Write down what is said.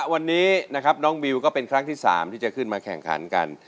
วันนี้นะครับน้องบิวก็เป็นครั้งที่๓ที่จะขึ้นมาแข่งขันกัน